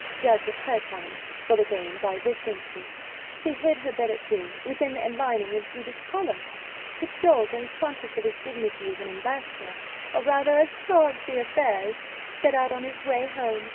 Judge of her talents for the game by this instance: she hid her billet doux within the lining of Juba's collar. The dog, unconscious of his dignity as an ambassador, or rather as a chargé d'affaires, set out on his way home.